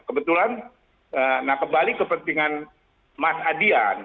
kebetulan nah kebalik kepentingan mas adian